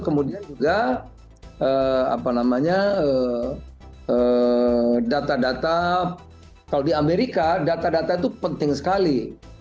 kemudian juga data data kalau di amerika data data itu penting sekali